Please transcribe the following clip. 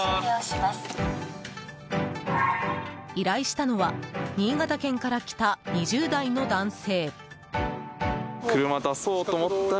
依頼したのは新潟県から来た２０代の男性。